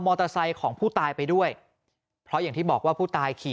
มอเตอร์ไซค์ของผู้ตายไปด้วยเพราะอย่างที่บอกว่าผู้ตายขี่